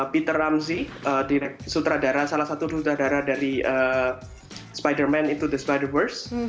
peter ramsey salah satu sutradara dari spider man into the spider verse